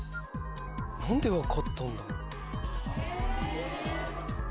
何で分かったんだろう？